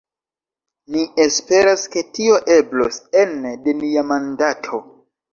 Ni esperas ke tio eblos ene de nia mandato.